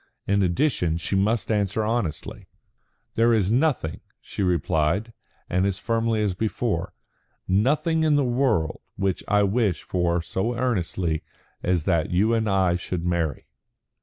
In addition, she must answer honestly. "There is nothing," she replied, and as firmly as before, "nothing in the world which I wish for so earnestly as that you and I should marry."